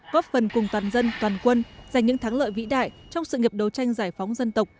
góp phần cùng toàn dân toàn quân giành những thắng lợi vĩ đại trong sự nghiệp đấu tranh giải phóng dân tộc